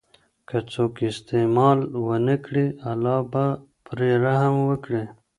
که څوک استعمال ونکړي، الله به پرې رحم وکړي.